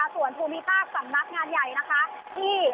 สวัสดีค่ะคุณผู้ชมค่ะตอนนี้นะคะ